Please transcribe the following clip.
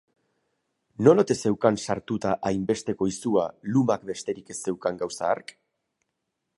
Non ote zeukan sartuta hainbesteko izua lumak besterik ez zeukan gauza hark?